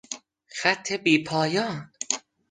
خط بی پایان